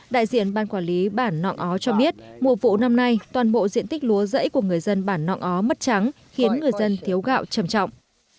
đại diện ban quản lý bản nọng ó cho biết mùa vụ năm nay toàn bộ diện tích lúa giẫy của người dân bản nọng ó mất trắng khiến người dân thiếu gạo trầm trọng